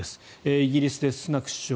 イギリスのスナク首相。